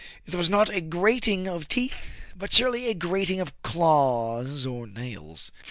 It was not a grating of teeth, but surely ^ grating of claws or nails.